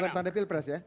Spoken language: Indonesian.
bukan tanda pilpres ya